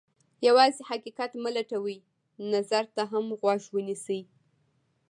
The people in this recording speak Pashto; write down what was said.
یوازې حقیقت مه لټوئ، نظر ته هم غوږ ونیسئ.